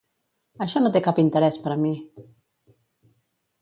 Això no té cap interès per a mi!